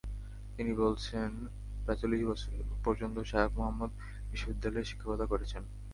তিনি বলেছেন, প্রায় চল্লিশ বছর পর্যন্ত শায়খ মুহম্মদ বিশ্ববিদ্যালয়ে শিক্ষকতা করেছেন।